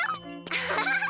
アハハハ！